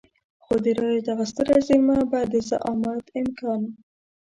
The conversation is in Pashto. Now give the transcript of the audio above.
خو د رايو دغه ستره زېرمه به د زعامت امکان.